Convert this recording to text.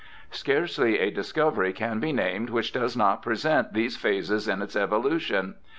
Scarcely a discovery can be named which does not present these phases in its evolution.